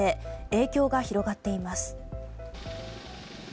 影響が広がっています。